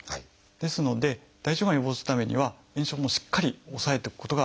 ですので大腸がんを予防するためには炎症もしっかり抑えていくことが大事。